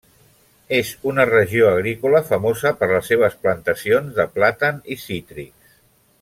És una regió agrícola famosa per les seves plantacions de plàtan i cítrics.